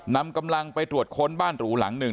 นำกำลังไปตรวจค้นบ้านหรูหลังหนึ่ง